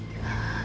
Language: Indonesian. nggak usah mak